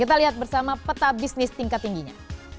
kita lihat bersama peta bisnis tingkat tingginya